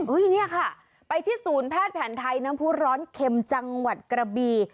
นี่ค่ะไปที่ศูนย์แพทย์แผนไทยน้ำผู้ร้อนเข็มจังหวัดกระบี